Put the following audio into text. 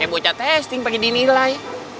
eh bocah testing pake dinilai